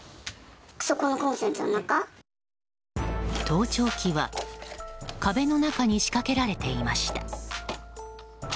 盗聴器は壁の中に仕掛けられていました。